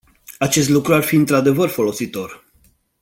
Acest lucru ar fi într-adevăr folositor.